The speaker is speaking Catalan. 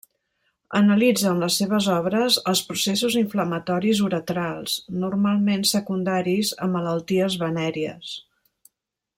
Analitza en les seves obres els processos inflamatoris uretrals, normalment secundaris a malalties venèries.